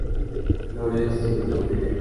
Flores sin olor.